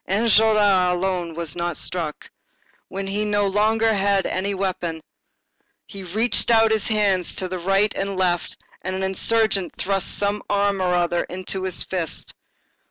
Enjolras alone was not struck. When he had no longer any weapon, he reached out his hands to right and left and an insurgent thrust some arm or other into his fist.